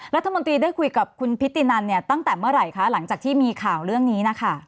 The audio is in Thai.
รัฐมนตรีได้คุยกับคุณพิธีนันเนี่ยตั้งแต่เมื่อไหร่คะหลังจากที่มีข่าวเรื่องนี้นะคะ